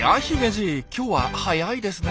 じい今日は早いですね。